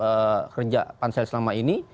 diterima kehadiran terhadap kerja pansel selama ini